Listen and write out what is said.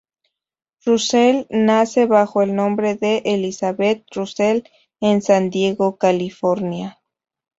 Russell nace bajo el nombre de Elizabeth Russell en San Diego, California.